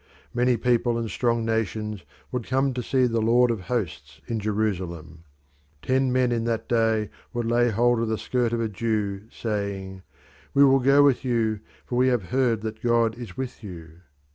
Many people and strong nations would come to see the Lord of Hosts in Jerusalem. Ten men in that day would lay hold of the skirt of a Jew saying, "We will go with you, for we have heard that God is with you."